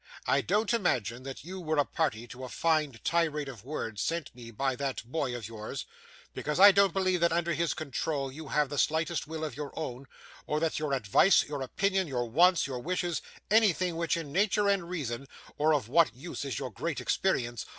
I don't imagine that you were a party to a very fine tirade of words sent me by that boy of yours, because I don't believe that under his control, you have the slightest will of your own, or that your advice, your opinion, your wants, your wishes, anything which in nature and reason (or of what use is your great experience?)